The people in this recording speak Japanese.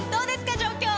状況。